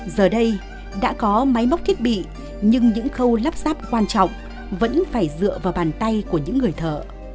giờ đây đã có máy móc thiết bị nhưng những khâu lắp ráp quan trọng vẫn phải dựa vào bàn tay của những người thợ